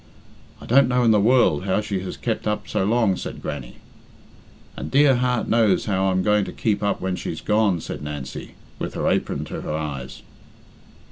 "I don't know in the world how she has kept up so long," said Grannie. "And dear heart knows how I'm to keep up when she's gone," said Nancy, with her apron to her eyes.